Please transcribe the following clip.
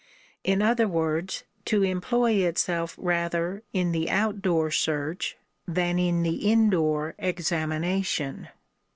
In other words, to employ itself rather in the out door search, than in the in door examination.